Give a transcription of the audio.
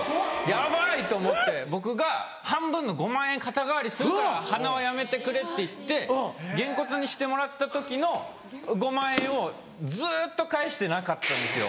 ヤバい！と思って僕が半分の５万円肩代わりするから鼻はやめてくれって言ってげんこつにしてもらった時の５万円をずっと返してなかったんですよ。